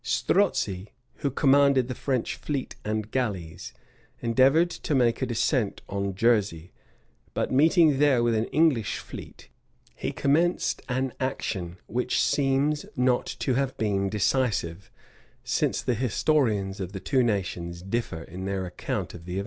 Strozzi, who commanded the French fleet and galleys, endeavored to make a descent on Jersey; but meeting there with an English fleet, he commenced an action, which seems not to have been decisive, since the historians of the two nations differ in their account of the event.